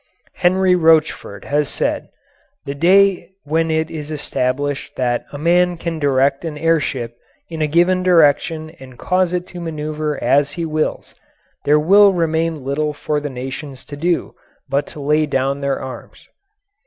Henri Rochefort has said: "The day when it is established that a man can direct an air ship in a given direction and cause it to maneuver as he wills there will remain little for the nations to do but to lay down their arms."